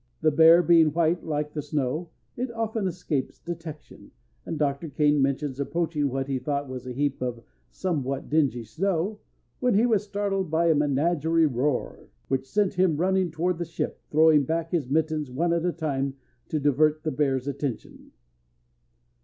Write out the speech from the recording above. The bear being white like the snow, it often escapes detection, and Dr. Kane mentions approaching what he thought was a heap of somewhat dingy snow, when he was startled by a "menagerie roar," which sent him running toward the ship, throwing back his mittens, one at a time, to divert the bear's attention.